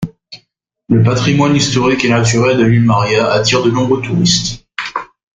Le patrimoine historique et naturel de l'île Maria attire de nombreux touristes.